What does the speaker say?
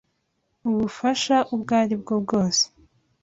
ubufsha ubwo ari bwo bwose